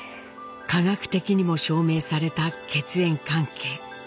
科学的にも証明された血縁関係。